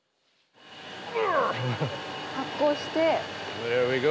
発酵して。